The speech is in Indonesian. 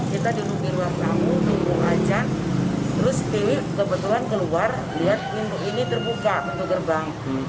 kita dilupi ruang kabur lupi ruang ajan terus kebetulan keluar lihat pintu ini terbuka pintu gerbang